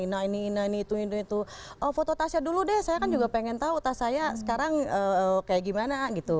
ini ini itu itu foto tasnya dulu deh saya juga pengen tahu tas saya sekarang kayak gimana gitu